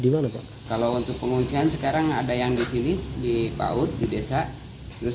di mana pak kalau untuk pengungsian sekarang ada yang disini di paut di desa terus